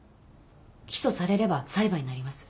起訴されれば裁判になります。